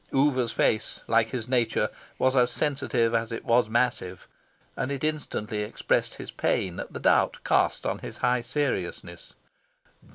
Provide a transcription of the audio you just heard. Oover's face, like his nature, was as sensitive as it was massive, and it instantly expressed his pain at the doubt cast on his high seriousness.